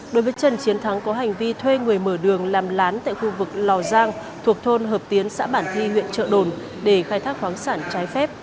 đối với trần chiến thắng có hành vi thuê người mở đường làm lán tại khu vực lò giang thuộc thôn hợp tiến xã bản thi huyện trợ đồn để khai thác khoáng sản trái phép